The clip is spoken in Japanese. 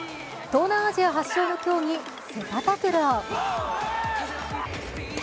東南アジア発祥の競技セパタクロー。